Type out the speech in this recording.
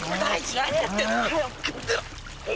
何やってんだよ。